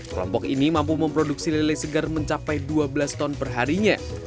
kelompok ini mampu memproduksi lele segar mencapai dua belas ton perharinya